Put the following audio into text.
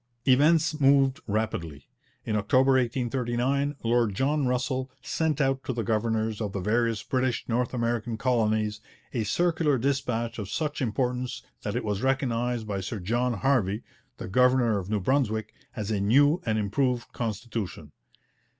Events moved rapidly. In October 1839 Lord John Russell sent out to the governors of the various British North American colonies a circular dispatch of such importance that it was recognized by Sir John Harvey, the governor of New Brunswick, as 'a new and improved constitution.'